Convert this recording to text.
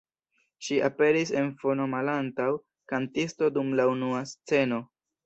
Ŝi aperis en fono malantaŭ kantisto dum la unua sceno.